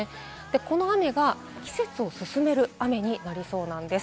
この雨が季節を進める雨になりそうなんです。